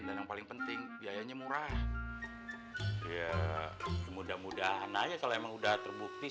dan yang paling penting biayanya murah mudah mudahan aja kalau emang udah terbukti